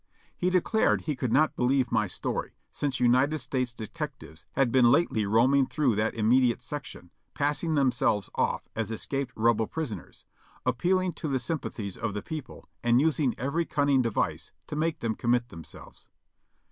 He declared he could not believe my story, since United States detectives had been lately roaming through that immediate section, passing themselves off as escaped Rebel pris oners, appealing to the sympathies of the people, and using every cunning device to make them commit themselves.